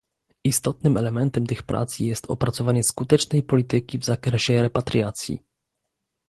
Istotnym elementem tych prac jest opracowanie skutecznej polityki w zakresie repatriacji